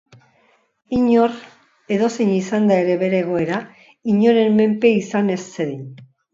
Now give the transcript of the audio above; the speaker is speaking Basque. Inor, edozein izanda ere bere egoera, inoren menpe izan ez zedin.